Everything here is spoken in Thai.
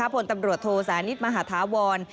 ผลตำรวจโทสานิทมหาธาวร